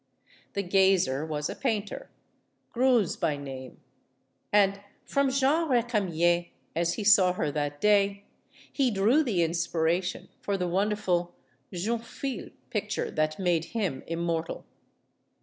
The gazer was a painter, Greuze by name. And from Jeanne Recamier, as he saw her that day, he drew the inspiration for the won derful "Jeune fille" picture that made him immortal.